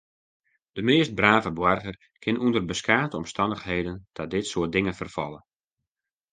De meast brave boarger kin ûnder beskate omstannichheden ta dit soart dingen ferfalle.